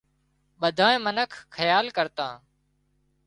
ٻڌانئي منک کيال ڪرتان